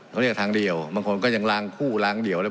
เขาเรียกทางเดียวบางคนก็ยังล้างคู่ล้างเดี่ยวเลย